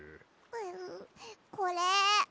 これ。